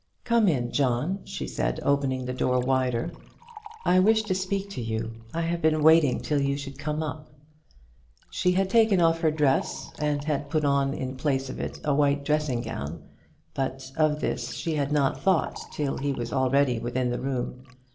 "Come in, John," she said, opening the door wider. "I wish to speak to you. I have been waiting till you should come up." She had taken off her dress, and had put on in place of it a white dressing gown; but of this she had not thought till he was already within the room.